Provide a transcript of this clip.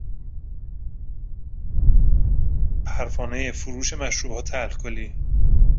پروانهی فروش مشروبات الکلی